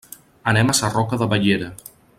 Anem a Sarroca de Bellera.